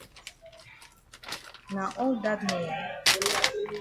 Na all dat nor.